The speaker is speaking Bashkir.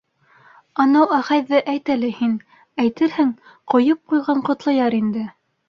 - Анау Әхәйҙе әйт әле һин, әйтерһең, ҡойоп ҡойған Ҡотлояр инде.